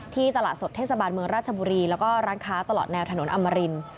ตลาดสดเทศบาลเมืองราชบุรีแล้วก็ร้านค้าตลอดแนวถนนอมริน